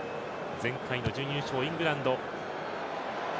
前回の準優勝、イングランド。